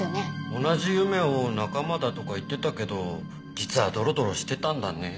同じ夢を追う仲間だとか言ってたけど実はドロドロしてたんだね。